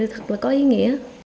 thật là có ý nghĩa